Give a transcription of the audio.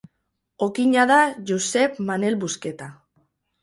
Okina da Josep Manel Busqueta.